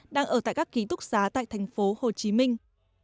đang ở tại các ký túc xá tại thành phố hồ chí minh